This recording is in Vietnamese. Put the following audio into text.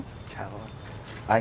xin chào anh